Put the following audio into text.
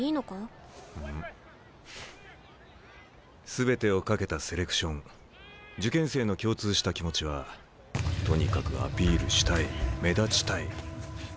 全てを懸けたセレクション受験生の共通した気持ちは「とにかくアピールしたい」「目立ちたい」。